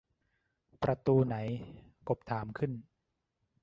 ประตูไหน กบถามขึ้น